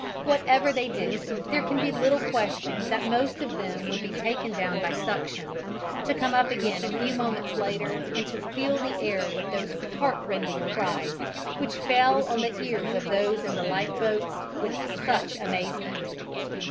Whatever they did, there can be little question that most of them would be taken down by suction, to come up again a few moments later and to fill the air with those heartrending cries which fell on the ears of those in the lifeboats with such amazement.